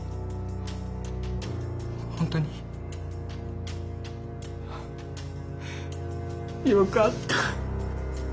本当に？あよかった。